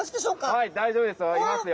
はい大丈夫ですよ。